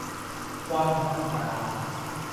คว่ำมาตรา